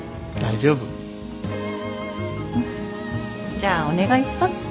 じゃあお願いします。